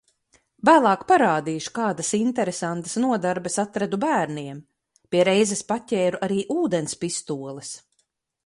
Vēlāk parādīšu, kādas interesantas nodarbes atradu bērniem. Pie reizes paķēru arī ūdens pistoles.